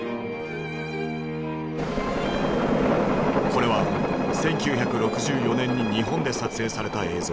これは１９６４年に日本で撮影された映像。